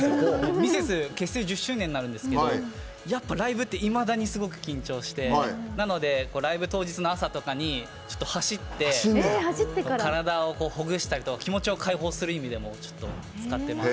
ミセス結成１０周年になるんですけどライブって、いまだに緊張してなので、ライブ当日の朝とかに走って体をほぐしたりとか気持ちを開放する意味でも使ってます。